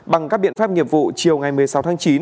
bằng các biện pháp nghiệp vụ chiều ngày một mươi sáu tháng chín